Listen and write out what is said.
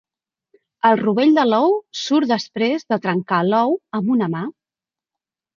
El rovell de l'ou surt després de trencar l'ou amb una mà.